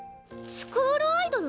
スクールアイドル？